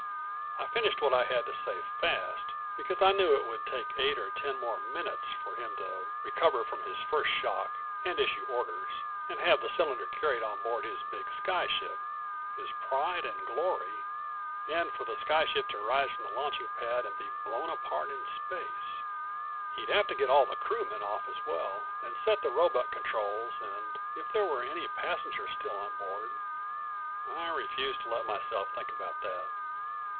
I finished what I had to say fast, because I knew it would take eight or ten more minutes for him to recover from his first shock, and issue orders, and have the cylinder carried on board his big sky ship his pride and glory and for the sky ship to rise from its launching pad and be blown apart in space. He'd have to get all of the crewmen off as well and set the robot controls and if there were any passengers still on board I refused to let myself think about that.